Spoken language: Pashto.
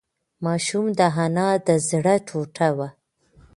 ماشوم د انا د زړه ټوټه وه.